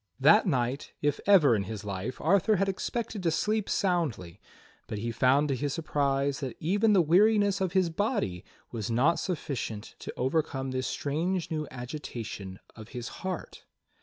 That night, if ever in his life, Arthur had expected to sleep soundly, but he found to his surprise that even the weariness of his body was not sufficient to overcome this strange new agitation of his heart.